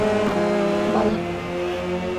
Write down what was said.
بەڵێ.